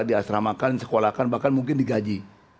diasramakan disekolahkan bahkan mungkin digaji